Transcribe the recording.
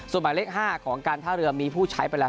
ส่วนหมายเลข๕ของการท่าเรือมีผู้ใช้ไปแล้ว